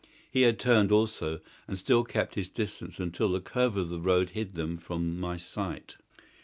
He had turned also, and still kept his distance until the curve of the road hid them from my sight.